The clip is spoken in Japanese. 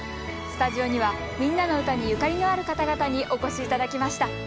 スタジオには「みんなのうた」にゆかりのある方々にお越し頂きました。